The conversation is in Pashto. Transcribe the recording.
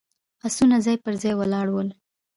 آسونه ځای پر ځای ولاړ ول.